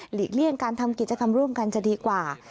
เลี่ยงการทำกิจกรรมร่วมกันจะดีกว่า